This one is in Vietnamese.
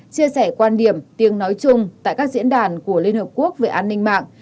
chia sẻ quan điểm tiếng nói chung tại các diễn đàn của liên hợp quốc về an ninh mạng